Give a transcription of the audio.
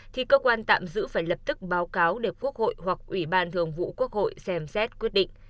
thì cơ quan tạm giữ phải lập tức báo cáo để quốc hội hoặc ủy ban thường vụ quốc hội xem xét quyết định